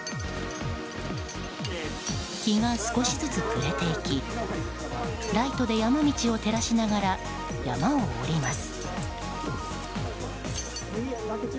日が少しずつ暮れていきライトで山道を照らしながら山を下ります。